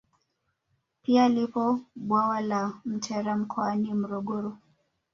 Pia lipo bwawa la Mtera mkoani Morogoro